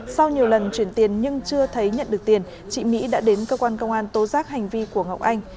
sau nhiều lần chuyển tiền nhưng chưa thấy nhận được tiền chị mỹ đã đến cơ quan công an tố giác hành vi của ngọc anh